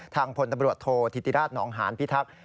พลตำรวจโทษธิติราชหนองหานพิทักษ์